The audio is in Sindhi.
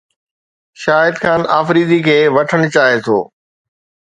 شاهد خان آفريدي کي وٺڻ چاهي ٿو